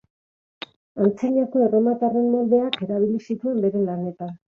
Antzinako erromatarren moldeak erabili zituen bere lanetan.